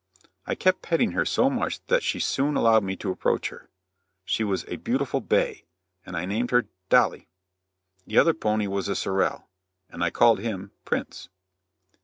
I kept petting her so much that she soon allowed me to approach her. She was a beautiful bay, and I named her "Dolly;" the other pony was a sorrel, and I called him "Prince."